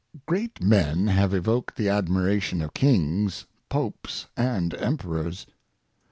Great men have evoked the admiration of kings, popes and emperors.